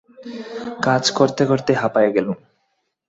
কাজ করতে করতে হাঁপায় গেলুম।